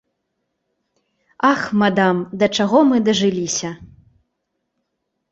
Ах, мадам, да чаго мы дажыліся?!